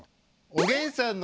「おげんさんの」。